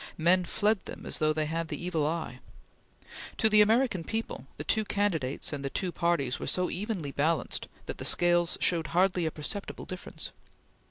Men fled them as though they had the evil eye. To the American people, the two candidates and the two parties were so evenly balanced that the scales showed hardly a perceptible difference.